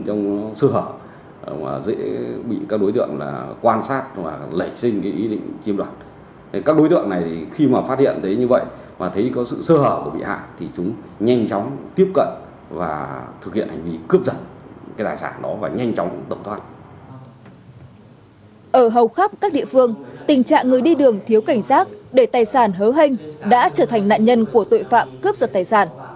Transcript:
ở hầu khắp các địa phương tình trạng người đi đường thiếu cảnh giác để tài sản hớ hênh đã trở thành nạn nhân của tội phạm cướp giật tài sản